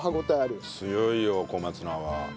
強いよ小松菜は。